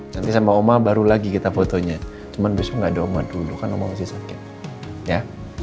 nanti sama oma baru lagi kita fotonya cuma besok nggak ada oma dulu kan oma masih sakit ya